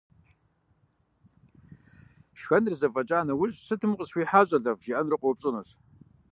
Шхэныр зэфӀэкӀа нэужь, сытым укъысхуихьа, щӀалэфӀ, жиӀэнурэ къоупщӀынущ.